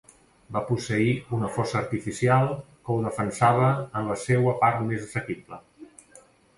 Va posseir una fossa artificial que ho defensava en la seua part més assequible.